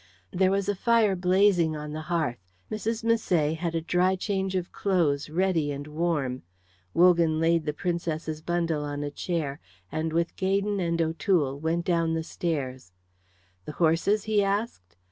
There was a fire blazing on the hearth, Mrs. Misset had a dry change of clothes ready and warm. Wogan laid the Princess's bundle on a chair, and with Gaydon and O'Toole went down the stairs. "The horses?" he asked.